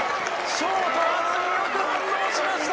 ショート、渥美、よく反応しました。